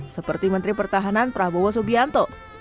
seperti menteri pertahanan prabowo subianto